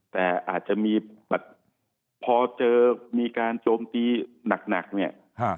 แต่อาจจะมีแบบพอเจอมีการโจมตีหนักเนี่ย